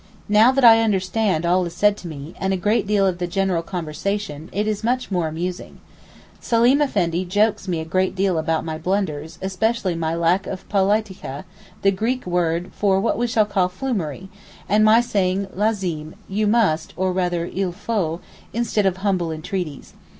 Now that I understand all that is said to me, and a great deal of the general conversation, it is much more amusing. Seleem Effendi jokes me a great deal about my blunders, especially my lack of politikeh, the Greek word for what we should call flummery; and my saying lazim (you must, or rather il faut), instead of humble entreaties.